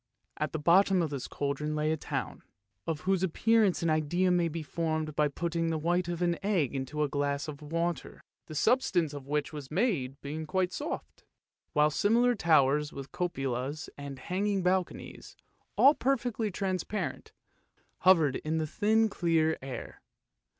At the bottom of this cauldron lay a town, of whose appearance an idea may be formed by putting the white of an egg into a glass of water, the substance of which it was made being quite as soft, while similar towers with cupolas and hanging balconies, all perfectly transparent, hovered in the thin clear air.